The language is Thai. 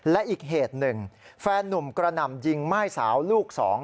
และอีกเหตุหนึ่งแฟนนุ่มกระหน่ำยิงม่ายสาวลูกสอง